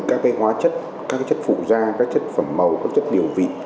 những cái hóa chất các cái chất phụ da các chất phẩm màu các chất điều vị